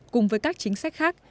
cùng với các chính sách khác